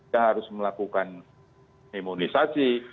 dia harus melakukan imunisasi